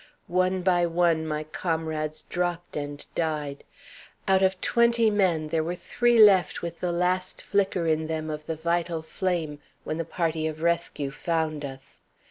One by one my comrades dropped and died. Out of twenty men there were three left with a last flicker in them of the vital flame when the party of rescue found us.